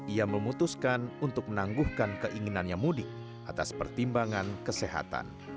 ia memutuskan untuk menangguhkan keinginannya mudik atas pertimbangan kesehatan